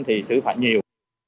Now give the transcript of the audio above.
thì xử phạt nhiều